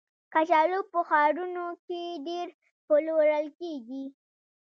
کچالو په ښارونو کې ډېر پلورل کېږي